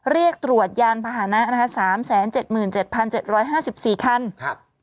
เรียกตรวจยานพาหนะนะคะสามแสนเจ็ดหมื่นเจ็ดพันเจ็ดร้อยห้าสิบสี่คันครับ